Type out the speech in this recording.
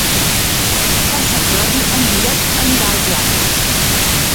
Per Sant Jordi en Dídac anirà al teatre.